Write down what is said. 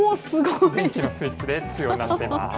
電気のスイッチでつくようになっています。